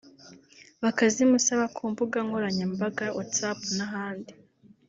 bakazimusaba ku mbuga nkoranyambaga whatsapp n’ahandi